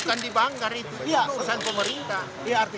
itu kan dibanggar itu pesan pemerintah